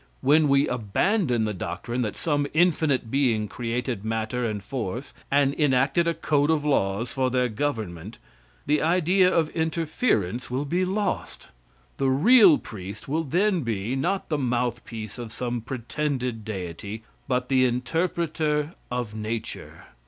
When we abandon the doctrine that some infinite being created matter and force, and enacted a code of laws for their government, the idea of interference will be lost. The real priest will then be, not the mouth piece of some pretended deity, but the interpreter of nature.